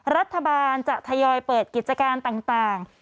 รัฐบาลจะทยอยเปิดกิจการต่าง